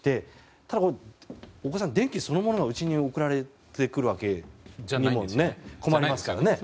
ただ、大越さん電気そのものがうちに送られてきても困りますよね。